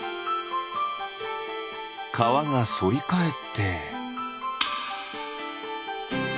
かわがそりかえって。